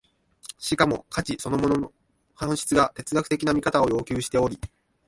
しかも価値そのものの本質が哲学的な見方を要求しており、